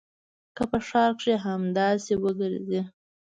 که په ښار کښې همداسې وګرځې.